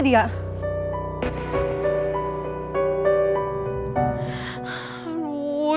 dia lagi ke sana